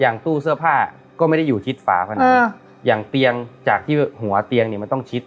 ตู้เสื้อผ้าก็ไม่ได้อยู่ชิดฝาผนังอย่างเตียงจากที่หัวเตียงเนี่ยมันต้องชิด